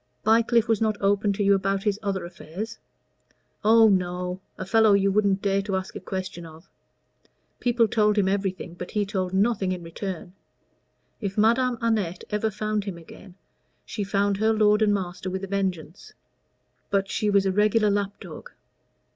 "Bycliffe was not open to you about his other affairs?" "Oh, no a fellow you wouldn't dare to ask a question of. People told him everything, but he told nothing in return. If Madame Annette ever found him again, she found her lord and master with a vengeance; but she was a regular lapdog.